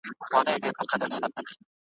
د سزا ورکولو او لاسونو `